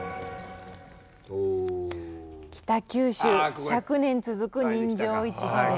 「北九州１００年続く人情市場で」。